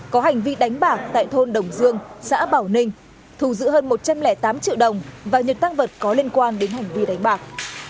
có hành vi đánh bạc tại thôn đồng dương xã bảo ninh thù giữ hơn một trăm linh tám triệu đồng và nhiều tăng vật có liên quan đến hành vi đánh bạc